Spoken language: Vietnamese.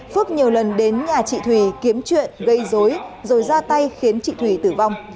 phước nhiều lần đến nhà chị thùy kiếm chuyện gây dối rồi ra tay khiến chị thùy tử vong